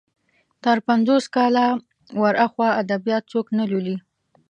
تر پنځوس کاله ور اخوا ادبيات څوک نه لولي.